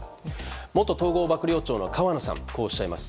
元統合幕僚長の河野さんはこうおっしゃいます。